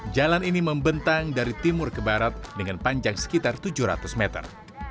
jalan ini membentang dari timur ke barat dengan panjang sekitar tujuh ratus meter